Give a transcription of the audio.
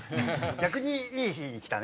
逆にいい日に来たね。